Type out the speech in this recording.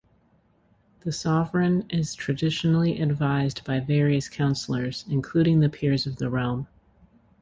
The Sovereign is traditionally advised by various counsellors, including the peers of the realm.